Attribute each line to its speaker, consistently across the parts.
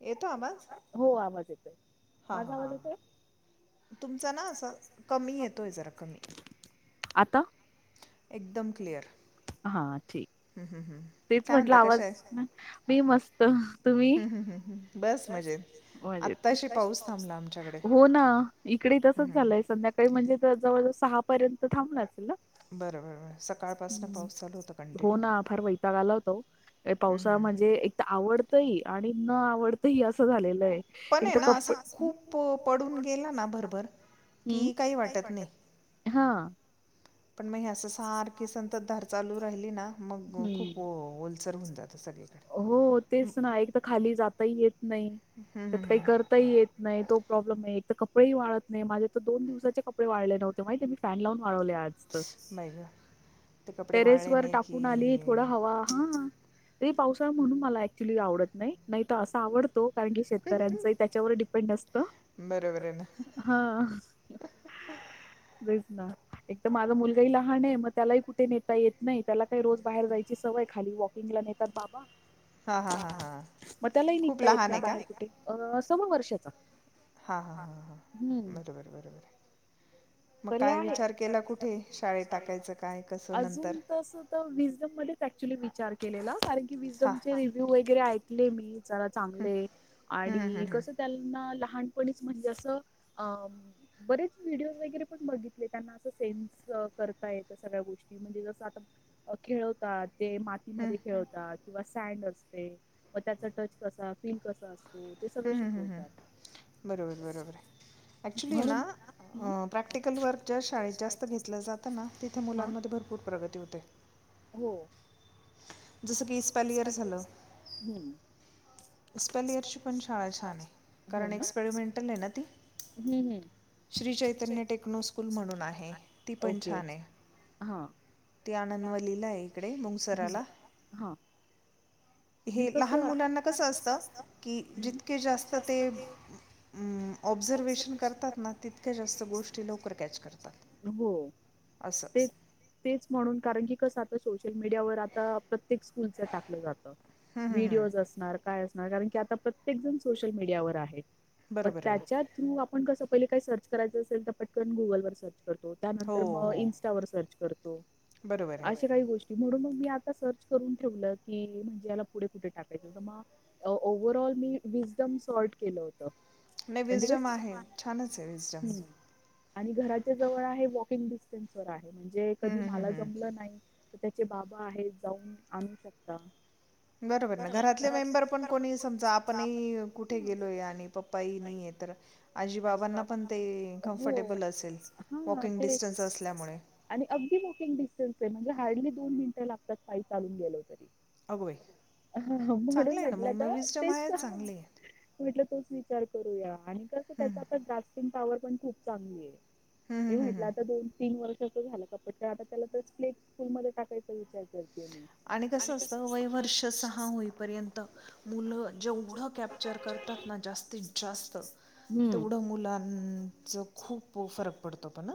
Speaker 1: येतो आवाज
Speaker 2: हो आवाज येतोय
Speaker 1: हां
Speaker 2: माझा
Speaker 1: हां
Speaker 2: आवाज
Speaker 1: हां
Speaker 2: येतोय.
Speaker 1: हां तुमचा ना असं कमी येतो आहे जरा कमी
Speaker 2: [unintelligible] आता
Speaker 1: एकदम क्लिअर
Speaker 2: हा ठीक. तेच
Speaker 1: काय
Speaker 2: म्हटलं
Speaker 1: म्हणता
Speaker 2: आवाज ना मी मस्त. तुम्ही
Speaker 1: हम् हम हम हम. थांबला आमच्याकडे
Speaker 2: हो ना इकडे तसच झालंय संध्याकाळी जवळ सहार्यंत थब
Speaker 1: बरं बरं बरं सकाळपासनं पाऊस चालू होता
Speaker 2: हो
Speaker 1: कंटिन्यू
Speaker 2: ना फार वैताग आला होत. पावसाळा म्हणजे एक तर आवडतही आणि न आवडतही असं झालेलं आहे.
Speaker 1: पण आहे ना असं खूप पडून गेला ना भरभर.
Speaker 2: हम्म
Speaker 1: की काही वाटत नाही
Speaker 2: हा
Speaker 1: पण मग असं सारखी संतत धार चालू राहिली ना मग खूप ओलसर होऊन जात.
Speaker 2: हो तेच ना एक तर खाली जाताही येत नाही
Speaker 1: हम्म, हम्म,
Speaker 2: त्यात काही
Speaker 1: हम्म.
Speaker 2: करताही येत नाही तो. प्रॉब्लेम आहे एक तर कपडेही वात नाही माझे तर दो दिवसाचे कपडे वाढले नव्हते माहिती मी फॅन लावून आज
Speaker 1: बाई गं ते कपडे
Speaker 2: टेरेस
Speaker 1: वाळले
Speaker 2: वर
Speaker 1: नाही
Speaker 2: टाकून आली थोड
Speaker 1: की
Speaker 2: हवा हा. त पावसाळा म्हणून मला ऍक्च्युली आवत नाही तर असं आवडत. तो कारण की शेतकऱ्यांचा त्याच्यावर डिपेंड असतं.
Speaker 1: बरोबर आहे ना
Speaker 2: ब एक माझा मुलगाही लहान आहे मग त्यालाही कुठे नेता येत नाही त्याला काही रोज बाहेर जायची सवय खाली म
Speaker 1: हां हां हां हां
Speaker 2: त्या
Speaker 1: खूप
Speaker 2: निघ
Speaker 1: लहान आहे का
Speaker 2: बाहे कु समवर्षाचा
Speaker 1: हा हा हा हा बरोबर बरोबर
Speaker 2: त
Speaker 1: मग काय विचार
Speaker 2: आहेार
Speaker 1: केला
Speaker 2: के कुठे
Speaker 1: शाळेत
Speaker 2: शा
Speaker 1: टाकायचं
Speaker 2: टाकाय
Speaker 1: काय कसं नंतर
Speaker 2: अजून तस विजम म क्चुली विचार केलेला कारण की
Speaker 1: हां
Speaker 2: विम चे रिव्हू वगैरे ऐकले म चांगले
Speaker 1: हम्म, हम्म,
Speaker 2: आणि
Speaker 1: हम्म.
Speaker 2: कस त्यांना लानपणी म्हणजे अस अ बरेच व्हिडओ बघितले त्यांना अस सेन्स करता येत सगळ्या गोष्टी म्हणजे जसं आता खेळवतात ते मातीमध्ये खेळतात किंवा सँड असते व त्याचा टच कसा फील कसा असतो ते सगळं
Speaker 1: हूं हूं हूं हूं
Speaker 2: शिकवतात
Speaker 1: हूं बरोबर बरोबर ये ऍक्चुली ये ना अ
Speaker 2: ना
Speaker 1: प्रॅक्टिकल वर्क ज्या शाळेत जास्त घेतलं जातं ना तिथे मुलांमध्ये भरपूर प्रगती होते.
Speaker 2: हो
Speaker 1: जसं की
Speaker 2: जस
Speaker 1: इस्पॅलियर झालं
Speaker 2: की [unintelligible] [unintelligible] पण शाळा छान ये हो ना कारण एक्सपरमेटल आहे ना ती हूं हूं
Speaker 1: श्री चैतन्य टेक्नो स्कूल म्हणून आहे ती पण छान ये.
Speaker 2: हा.
Speaker 1: ते आनंदवलीला ये इकडे मुंगसराला.
Speaker 2: हा मी
Speaker 1: हे लहान
Speaker 2: कसं
Speaker 1: मुलांना कसं असतं की, जितके जास्त ते अ ऑब्झर्वेशन करतात ना तितक्या जास्त गोष्ट
Speaker 2: हो
Speaker 1: असं
Speaker 2: ते तेच म्हणून कारण की, कस आता सोशल मीडिया वर आता प्रत्येक स्कूलच टाकलं जात
Speaker 1: हं, हं, हं.
Speaker 2: व्हिडीओज असणार काय असनार कारण की आता प्रत्येक जण सोशल मीडिया वर आहे मग
Speaker 1: बरोबर आहे ना
Speaker 2: त्याच्या थ्रू आप पण कसं पहिले काही सर्च करायचं असेल तर पटकन गुगलवर सर्च करतो त्यानंतर
Speaker 1: हो
Speaker 2: मग
Speaker 1: हो
Speaker 2: इंस्टावर सर्च कर तो
Speaker 1: बरोबर
Speaker 2: अशा
Speaker 1: आहे
Speaker 2: काई गोष् की म्हणून मग मी आता सर्च करून ठेवलं की म्हणजे याला पुढे कुठ टाकायचं त म ओव्हरऑल मी विम सॉर्ट केलं होत
Speaker 1: नाही विजडम आहे छानच आहे विजडम
Speaker 2: हम्म आणि घराच्या जवळ आहे वॉकिंग डिस्टन्स वर आहे म्हणजे कधी
Speaker 1: हम्म, हम्म,
Speaker 2: मला
Speaker 1: हम्म.
Speaker 2: जमलं नाही त्याचे बाबा आहेत जाऊन आणू शकता
Speaker 1: बरोबर ना घरातले मेंबर पण कोणी समजा आपणही कुठे गेलोय आणि पप्पा नाई येत. तर आजी बाबांना पण ते कमफर्टेबल
Speaker 2: हा तेच आणि अगदी बुकिंग डिस्टन्स ये म्हणजे हा हार्डली दोन मिनिटं लागतात पाई चालून गेलो तरी
Speaker 1: अगो बाई
Speaker 2: हा हा म्हणून
Speaker 1: चांगलं आहे ना मग
Speaker 2: म्हटलं
Speaker 1: मग
Speaker 2: का
Speaker 1: विस्डम
Speaker 2: तेच
Speaker 1: आहे
Speaker 2: त
Speaker 1: चांगली आहे.
Speaker 2: म्हटलं तोच विचार करूया आणि कस त्याचा आता ग्रासिंग पावर पण खूप चांगली ये.
Speaker 1: हं,
Speaker 2: हे
Speaker 1: हं, हं,
Speaker 2: म्हटलं
Speaker 1: हं.
Speaker 2: आता दोन तीन वर्ष त्याचा झाला का बड्डे आता त्याला तेच प्लेग स्कूल मधे टाकायचा विचार कर
Speaker 1: आणि कस असत वयवर्ष सहा होईपर्यंत मुलं जेवढं कॅपचर करतात ना जास्तीत जास्त
Speaker 2: हम्म
Speaker 1: तेवढं मुलांच खूप हो फरक पडतो पण नं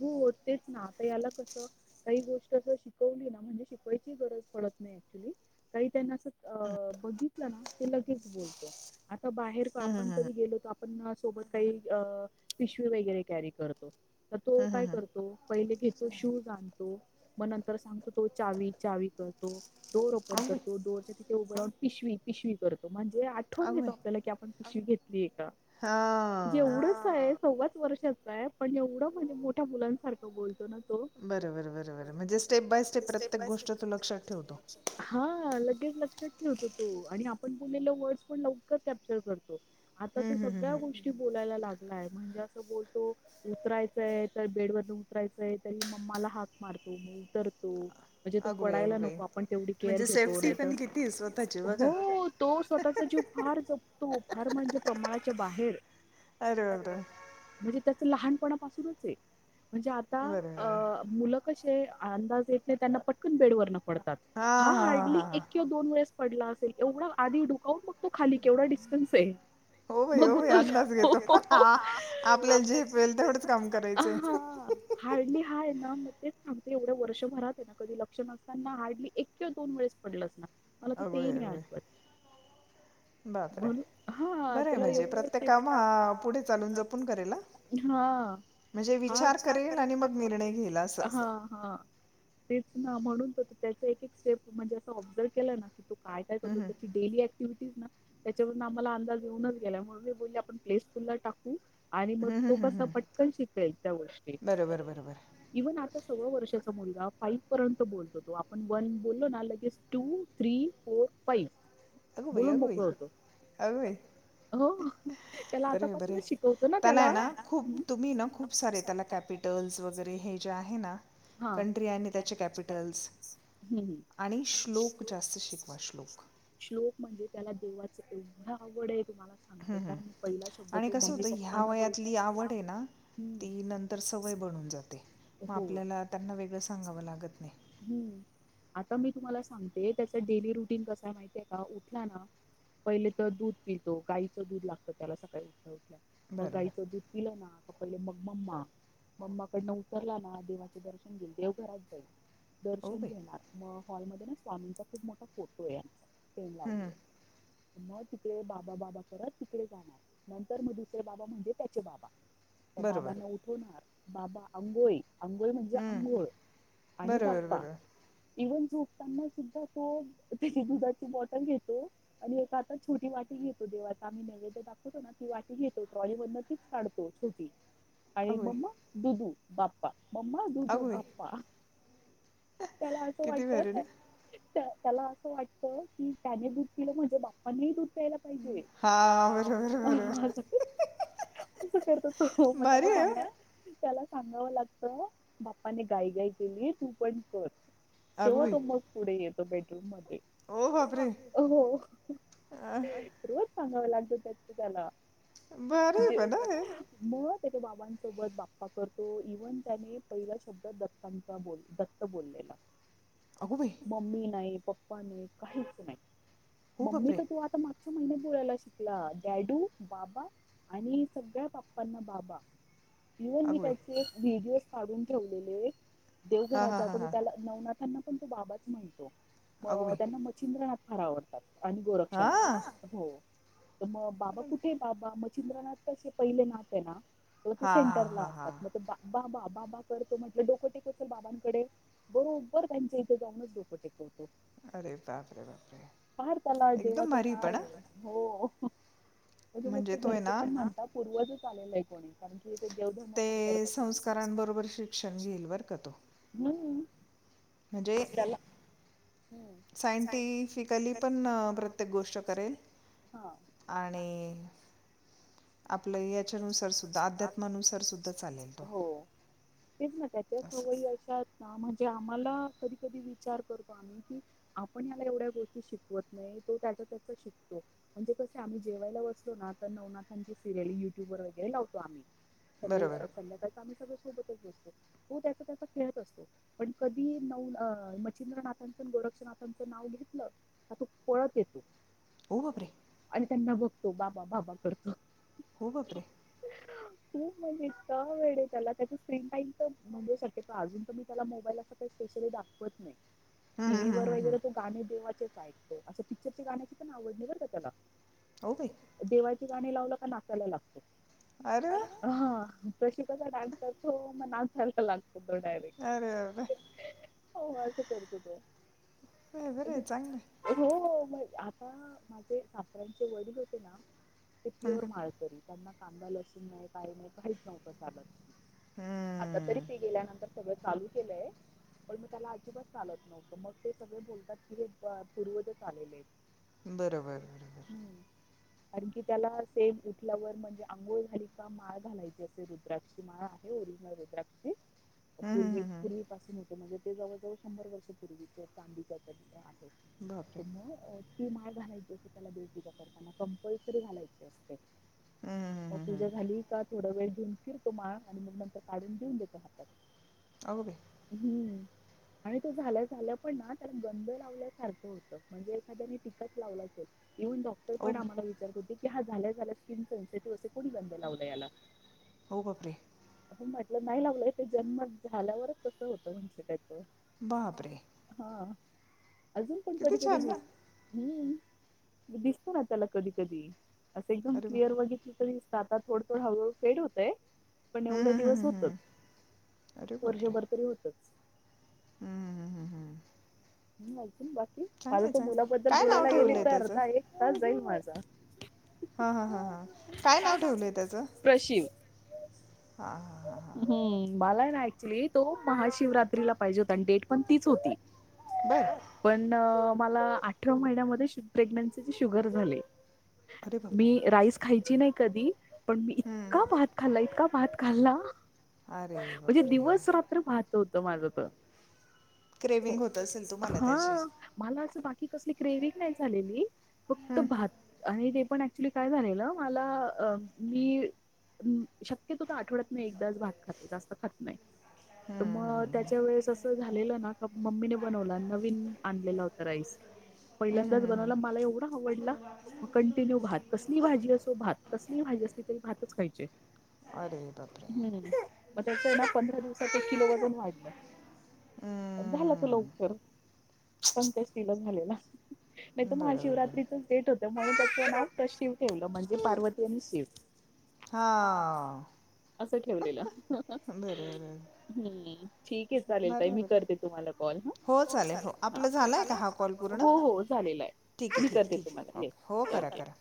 Speaker 2: हो तेच ना आता याला कस काही गोष्ट अस शिकवली ना म्हणजे शिकवायची गरज प पडत नाई ऍकचुली काही त्यांना असं अ बघितलं ना ते लगेच बोलतो आता बाहेर प
Speaker 1: हं, हं,
Speaker 2: आपण
Speaker 1: हं,
Speaker 2: कधी गेलो त आप प सोबत काही अ पिशवी वगैरे कॅरी करतो. तर तो
Speaker 1: हं, हं,
Speaker 2: काय
Speaker 1: हं.
Speaker 2: करतो पहिले घेतो शूज आणतो म नंतर सांगतो तो चावी चावी करतो. डोर ओपन
Speaker 1: अगं बाई,
Speaker 2: करतो डोरच्या तिथे उभं राहून पिशवी पिशवी करतो म्हणजे आठवण
Speaker 1: अगं
Speaker 2: देतो
Speaker 1: बाई.
Speaker 2: आपल्याला की आपण पिशवी घेतलीये का म्हणजे
Speaker 1: हां
Speaker 2: एवढंस ये सव्वाच वर्षाचा आहे पण एवढं म्हणजे मोठ्या मुलांसारखं बोलतो ना. तो
Speaker 1: बरं
Speaker 2: बरं
Speaker 1: म्हणजे स्टेप बाय
Speaker 2: बर स्टेप
Speaker 1: प्रत्येक
Speaker 2: बाय स्टेप
Speaker 1: गोष्ट तू
Speaker 2: प्रत्येक
Speaker 1: लक्षात
Speaker 2: गोष्ट तो
Speaker 1: ठेवतो.
Speaker 2: लक्षात हा लगेच लक्षात ठेवतो तो आणि आपण बोललेले वर्ड्स पण लवकर कॅप्चर करतो तो आता
Speaker 1: हं,
Speaker 2: तो
Speaker 1: हं, हं,
Speaker 2: सगल्या
Speaker 1: हं.
Speaker 2: गोष्टी बोलायला लागलाय म्हणजे अस बोलतो उतराय तय तर बेड वरन उतरायचंय तरी मम्माला हाक मारतो मग उतरतो. म्हणजे तो
Speaker 1: अगं बाई,
Speaker 2: पडायला
Speaker 1: अगं बाई.
Speaker 2: नको आपण तेवढी केअर
Speaker 1: म्हणजे
Speaker 2: घेतो
Speaker 1: सेफ्टी पण किती आहे स्वतःची बघा.
Speaker 2: हो तो स्वतः चा जीव फार जपतो फार म्हणजे प्रमाणाच्या बाहेर
Speaker 1: अरे बापरे!
Speaker 2: म्हणजे त्याच लहान पणा पासूनच ये. म्हणजे
Speaker 1: बरं बरं.
Speaker 2: आता मूल कशी ते अंदाज येते त्यांना पटकन बेडवरन पडतात, हा हर्डली एक किंवा दोन वेळेस पडला असणार एवढं आधी दोकावून बघतो, खाली केवढा डिस्टन्स आहे.
Speaker 1: हो भाई हो
Speaker 2: मग
Speaker 1: भाई अंदाज
Speaker 2: उतरतो
Speaker 1: घेतो हा आपल्याला
Speaker 2: [unintelligible]
Speaker 1: झेपेल
Speaker 2: हा
Speaker 1: तेवढंच काम करायचंय
Speaker 2: [unintelligible] हा आहे ना मग तेच सांगते एवढ्या वर्षभरात आहे, ना कधी लक्ष नसताना हार्डली एक किंवा दोन वेळेस पडलच ना मला तर ते
Speaker 1: अगोय
Speaker 2: नाही
Speaker 1: अगोय
Speaker 2: आठवत.
Speaker 1: [inaudible]
Speaker 2: हा
Speaker 1: बरं आहे
Speaker 2: त्याला
Speaker 1: म्हणजे
Speaker 2: एवढं, [unintelligible]
Speaker 1: प्रत्येक काम हा पुढे चालून जपून करेल हा
Speaker 2: हा
Speaker 1: म्हणजे विचार करेल आणि मग निर्णय घेईल असं
Speaker 2: ह, हा हा, तेच ना म्हणून त त्याचा एक-एक स्टेप म्हणजे असं, ऑब्झर्व केला ना तो काय-काय
Speaker 1: हं
Speaker 2: करतो
Speaker 1: हं
Speaker 2: त्याची डेली ऍक्टिव्हिटीज ना? त्याच्यावर आम्हाला अंदाज येऊनच गेलाय, म्हणून मी बोलली आपण स्कूल ला टाकू आणि मग
Speaker 1: हं हं
Speaker 2: तो
Speaker 1: हं
Speaker 2: कसा
Speaker 1: हं
Speaker 2: पटकन शिकेल, त्या गोष्टी
Speaker 1: बरं बरं बरं बरं
Speaker 2: इव्हन आता सव्वा वर्षाचा मुल फाईव्ह पर्यंत बोलतो तो, आपण वन बोललो ना लगेच टू थ्री फोर फाईव्ह
Speaker 1: अगं बाई,
Speaker 2: बोलून
Speaker 1: अग बाई,
Speaker 2: मोकळ होतो
Speaker 1: अगबाई,
Speaker 2: हो त्याला आतापासूनच शिकवतो ना त्याला
Speaker 1: खूप तुम्ही ना खूप सारे त्याला कॅपिटल्स वगैरे हे जे आहे ना
Speaker 2: हा
Speaker 1: कंट्री आणि त्याचे कॅपिटल्स
Speaker 2: हम्म
Speaker 1: आणि श्लोक जास्त शिकवा श्लोक
Speaker 2: खूप म्हणजे त्याला देवाच एवढं आवड ये. तुम्हाला सांगते
Speaker 1: हं, हं.
Speaker 2: काय मी पहिला शब्द तो मी पप्पां नं बोलता
Speaker 1: त्या आवड ये ना? ती नंतर सवय बनून जाते, मग
Speaker 2: हो
Speaker 1: आपल्याला त्यांना वेगळं सांगावं लागत नाही.
Speaker 2: हम्म, आता मी तुम्हाला सांगते त्याच डेली रुटीन कसा माहितीय का? उठला ना पहिले तर दूध पिततो गायचं दूध लागतं, त्याला सकाळी उठल्या-उठल्या मग
Speaker 1: बरोबर
Speaker 2: गाईचं दूध पिलं ना? पहिले मग मम्मा मम्मा, कडनं उतरला ना देवाचे दर्शन घेईल देवघरात जाईल.
Speaker 1: ओ
Speaker 2: दर्शन
Speaker 1: बाई
Speaker 2: घेणार म हॉलमध्ये ना, स्वामींचा खूप मोठा फोटो आहे आचा तेल
Speaker 1: हं,
Speaker 2: लावली
Speaker 1: हं.
Speaker 2: मग तिकडे बाबा-बाबा करत तिकडे जाणार, नंतर मग दुसरे बाबा म्हणजे त्याचे बाबा.
Speaker 1: बरोबर
Speaker 2: बाबांना उठवणार बाबा अंंगोळी. आंघोळ म्हणजे आंघोळ आणि ब
Speaker 1: बर [unintelligible]
Speaker 2: इव्हन झोपताना सुद्धा तो त्याची दुधाची बॉटल घेतो. आणि एका छोटी वाट तो देवाचा आम्ही नैवेद दाखवतो ना ती वाटी, घेतो ट्रॉलीवर तीच काढतो छोटी आणि
Speaker 1: अगो बाई
Speaker 2: म्मा दुधू बाप्पा म् दुधू
Speaker 1: अगो बाई
Speaker 2: बा्पा त्याला असं
Speaker 1: किती भारी ना
Speaker 2: वाटत? त्याला असं वाटत की त्याने दूध पलं म्हणजे बापनीही दूध त्याला पाहिजे
Speaker 1: हां बरोबर
Speaker 2: होअ
Speaker 1: बरोबर
Speaker 2: [unintelligible] कस करतो तो मग
Speaker 1: भारी
Speaker 2: त्याला
Speaker 1: आहे हं.
Speaker 2: सांगा त्याला सांगावं लागत बाप्पाने गाई गाई केली तू पण कर तेव्हा तो मग पुढे येतो बेडरूम मध्ये
Speaker 1: वापरे अ [inaudible]
Speaker 2: सांगाव लागतेत तु त्याला
Speaker 1: भारी आहे पण हं हे
Speaker 2: म बाबांसोबत बाप्पा करतो इव्हन त्याने पहिला शब्दात दत्तांचा बोल द बोललेला
Speaker 1: अगो बाई
Speaker 2: मम्मी नाही पप्पा नाही काहीच नाही
Speaker 1: हो
Speaker 2: मम्मी
Speaker 1: बापरे
Speaker 2: तर तू आता म च्या महिन्या पुोरायला शिकला डॅडू बाबा आणि सगळ्या बाप्पांना बाबा इव्हन मी
Speaker 1: अगो बाई
Speaker 2: त्याचे एक व्हिडिओ काढून ठेवलेले,
Speaker 1: हां
Speaker 2: देवघरात
Speaker 1: हां
Speaker 2: जात
Speaker 1: हां
Speaker 2: मी
Speaker 1: हां
Speaker 2: त्याला नवना. त्यांना पण तो बाबाच म्हणतो,
Speaker 1: अगो
Speaker 2: म
Speaker 1: बाई
Speaker 2: त्यांना मचिंद्रनाथ फार आवडतात. आणि गोरक्षणा
Speaker 1: हां
Speaker 2: हो. मग बाबा कुठे बाबा मचिंद्रनाथ कसे पहिले नात आहे ना. ते
Speaker 1: हां हां
Speaker 2: सेंटर ला
Speaker 1: हां
Speaker 2: असतात,
Speaker 1: हां
Speaker 2: मग बाबा बाबा करतो, म्हटलं डोकं टेकल बाबांकडे. बरोबर त्यांच्या इथे जाऊनच डोकं टेक.
Speaker 1: अरे बापरे बापरे
Speaker 2: फार त्याला
Speaker 1: एकदम
Speaker 2: देवाचं
Speaker 1: भारी
Speaker 2: काय
Speaker 1: पण हां
Speaker 2: हो. म्हणजे मग ते
Speaker 1: तो आहे
Speaker 2: घरचे
Speaker 1: ना
Speaker 2: पणता पूर्वजच आलेलं आहे, कोणी कारण. [unintelligible] देवधर्म
Speaker 1: ते
Speaker 2: फार य
Speaker 1: संस्कारांबरोबर
Speaker 2: संबरोबर
Speaker 1: शिक्षण
Speaker 2: शिक्ष
Speaker 1: घेईल बरं का तो
Speaker 2: हम्म. [unintelligible]
Speaker 1: म्हणजे. [unintelligible]
Speaker 2: सायंटिफिकली पण प्रत्येक गोष्ट करेल.
Speaker 1: आणि. आपलं याच्यानुसार सुद्धा अध्यात्मानुसार सुद्धा चालेल तो.
Speaker 2: हो तेच ना त्याच्या
Speaker 1: असं
Speaker 2: सवयी अश्या ना म्हणजे. आ्हाला कधी कधी विचार करतो, आम्ही की आपण याला एवढ्या गोष्टी शिकवत नाही तो त्याचा. म्हणजे क आम्ही जेवायला बसलो, ना तर नवनाथां सिरियल युट्यू वर वगैरे लावतो, आम्ही सगळे संध्याकाळ आम्ही सगळे सोबतच बसतो.
Speaker 1: ह [unintelligible]
Speaker 2: त त्या त्या खेळत असतो पण, कधी न मचिंद्रनाथांच गोरक्षनाथांचं नाव घेत. का तू पळत येतो.
Speaker 1: ओ बापरे
Speaker 2: आणि त्यांना बघतो बाबा बाबा करतो.
Speaker 1: हो बापरे.
Speaker 2: खूप म्हणजे वेळे त्याला, त्या स्क्रीन टाईम तर म्हणजे, शक्यो अजून त म त्याला मोबाईलला. स्पेशली दाखवत नाही.
Speaker 1: हम्म,
Speaker 2: टीव्ही
Speaker 1: हम्म,
Speaker 2: वर
Speaker 1: हम्म, हम्म.
Speaker 2: वगैरे तो गाणे देवाचेच ऐक तो असं, पिक्चरच्या गाण्याची पण आवड नाही बरं का त्याला.
Speaker 1: ओ बाई
Speaker 2: देवाची गाणी लावलं का नाकायला लागतो
Speaker 1: अरे वा
Speaker 2: ह. जशी कसाडात तो मग आ झा लागतो. तो डायरेक्ट
Speaker 1: अरेर.
Speaker 2: हो असं करतो तो
Speaker 1: बरं आहे चांगलं आहे.
Speaker 2: हो म. आता माझे सातऱ्यांचे वडील होते ना ते प्युअर माळी. त्यांना कांदा लसून नाही काही नाही, काहीच नव्हतं चालत. आता तरी
Speaker 1: हम्म,
Speaker 2: ते गेल्यानंतर सगळं चालू केलंय. पण मग त्याला अजिबात चालत नव्हतं, मग ते सगळे बोलतात की हे पूर्वज आलेले आहेत.
Speaker 1: बरोबर बरोबर.
Speaker 2: आणखी त्याला सेम. फ्लवर म्हणजे आंोळ झाली, का माळ घालायची असे, रुद्राक्षी माळ आहे ओरिजिनल रुद्राक्षी.
Speaker 1: हं हं
Speaker 2: ूर्वी
Speaker 1: हं हं
Speaker 2: पूर्वीपसून होते म्हणजे ते जवळजवळ शंभर वर्ष पूर्वीचे चांदीच्या [unintelligible]
Speaker 1: बापरे
Speaker 2: तुम [unintelligible] ती माळ घालायची असते, त्याला देवपूजा करताना कंपल्सरी घालायची असते.
Speaker 1: हं हं हं
Speaker 2: मग
Speaker 1: हं
Speaker 2: पूजा
Speaker 1: हं
Speaker 2: झाली का थोडा वेळ घेऊन, फिरतो माळ आणि मग नंतर काढून देऊन देतो हातात. हम्म.
Speaker 1: ह [unintelligible]
Speaker 2: आणि तो झाल्या झाल्या पण ना त्याला गंध लावल्यासारखं होतं म्हणजे एखाद्याने टिकच लावलं असेल. इव्हन डॉक्टर
Speaker 1: ओ
Speaker 2: पण
Speaker 1: बाई
Speaker 2: आम्हाला विचारत होते, की हा झाल्या झाल्या स्किन सेन्सिटिव्ह असे कोणी गंध लावला याला.
Speaker 1: हो बापरे.
Speaker 2: आपण म्हटलं नाही लागलं ते जन्म झाल्यावरच कसं होतं म्हण
Speaker 1: बापरे.
Speaker 2: अजून पण
Speaker 1: किती
Speaker 2: कधी कधी
Speaker 1: छान
Speaker 2: दिस
Speaker 1: ना
Speaker 2: हम् दिसत, ना त्याला कधी कधी अस.
Speaker 1: अरे
Speaker 2: क्लिअर
Speaker 1: बापरे
Speaker 2: बघितलं तर दिसत, आता थोडंथोड हळहळू फेड होतय. पण
Speaker 1: हं
Speaker 2: एवढा
Speaker 1: हं हं
Speaker 2: दिवस
Speaker 1: हं
Speaker 2: होत
Speaker 1: हं अरे बापरे
Speaker 2: वर्षभर तरी होतच
Speaker 1: [unintelligible]
Speaker 2: अजून बाकी माझ
Speaker 1: चांगलं आहे
Speaker 2: तो
Speaker 1: चांगलं आहे
Speaker 2: मुलाबद्दल
Speaker 1: काय नाव
Speaker 2: बोलायला गेली
Speaker 1: ठेवलं आहे
Speaker 2: तर
Speaker 1: त्याचं
Speaker 2: अर्धा एक तास जाईन माज.
Speaker 1: हां हां हां हां काय
Speaker 2: काय नाव ठेवलं? प्रशिव.
Speaker 1: हा, हा, हा, हा.
Speaker 2: क्च्युली तो महाशिवरात्रीला पाहिजे होता आणि डेट पण तीच होती.
Speaker 1: बरं
Speaker 2: पण मला अठरा महिन्यामध्ये प्रेग्नन्सीची शुगर झाली
Speaker 1: अरे बापरे
Speaker 2: मी राईस खायची नाही कधी. पण मी
Speaker 1: हं
Speaker 2: इतका भात खाल्ला इतका भात खाल्ला
Speaker 1: अरे
Speaker 2: म्हणजे
Speaker 1: बापरे
Speaker 2: दिवस रात्र भात होत माझ तर
Speaker 1: क्रेवि्हंग होत असेल. तुम्हाला त्याची
Speaker 2: हा. मला असं बाकी कसली ग्रेविक नाही झालेली. फक्त
Speaker 1: हं
Speaker 2: भात आणि ते पण ऍक्च्युली काय झालेलं, मला मी शक्यतो तर आठवडत नाही एकदाच भात खाते जास्त खात नाही.
Speaker 1: हं
Speaker 2: तर मग
Speaker 1: हं हं
Speaker 2: त्याच्या वेळेस असं झालेलं ना मम्मीने बनवला. नवीन आणलेला होता राईस.
Speaker 1: हं हं
Speaker 2: पहिल्यांदाच
Speaker 1: हं
Speaker 2: बनवला.
Speaker 1: हं
Speaker 2: मला एवढा आवडला म कंटिन्यू भात कसली भाजी असो भात कस. कुठली भाजी असली तरी भातच पाहिजे.
Speaker 1: अरे बापरे
Speaker 2: मग कसं आहे ना पंधरा दिवसातून - - एक किलो वाजून वाढलं. झालं त लव - -
Speaker 1: हं
Speaker 2: पंकज तिला झालेला नाही तर
Speaker 1: बरं बरं बरं
Speaker 2: महाशिवरात्रीचच डेट होत म्हणून त्याच नाव शिव ठेवलं म्हणजे पार्वती आणि शिव हा
Speaker 1: हां
Speaker 2: असं ठेवलेलं
Speaker 1: बरं बरं
Speaker 2: हम्. ठीक आहे चालेल ताई
Speaker 1: बरं
Speaker 2: मी
Speaker 1: बरं
Speaker 2: करते तुम्हाला कॉल हं. हो चालेल. आपलं झालेला आहे का? हो, हो. झालेला हाय. मी करते तुम्हाला येईल.
Speaker 1: तय कर.